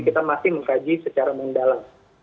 kita masih mengkaji secara mendalam